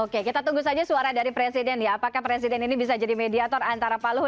oke kita tunggu saja suara dari presiden ya apakah presiden ini bisa jadi mediator antara pak luhut